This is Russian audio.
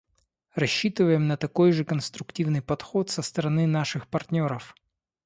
Рассчитываем на такой же конструктивный подход со стороны наших партнеров.